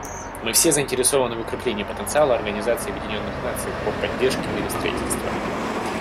Мы все заинтересованы в укреплении потенциала Организации Объединенных Наций по поддержке миростроительства.